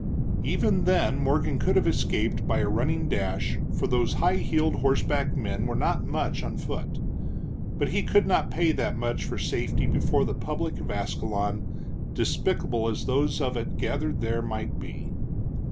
Even then Morgan could have escaped by a running dash, for those high heeled horseback men were not much on foot. But he could not pay that much for safety before the public of Ascalon, despicable as those of it gathered there might be.